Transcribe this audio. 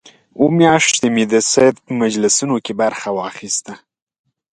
اووه میاشتې مې د سید په مجلسونو کې برخه واخیسته.